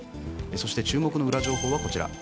そして注目のウラ情報はこちら。